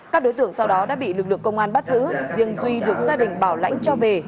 các đối tượng sau đó đã bị lực lượng công an bắt giữ riêng duy được gia đình bảo lãnh cho về